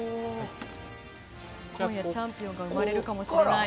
今夜チャンピオンが生まれるかもしれない。